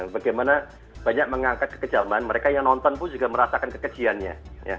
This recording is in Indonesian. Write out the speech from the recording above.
bagaimana banyak mengangkat kekejaman mereka yang nonton pun juga merasakan kekejiannya